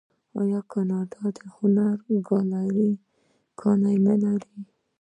آیا کاناډا د هنر ګالري ګانې نلري؟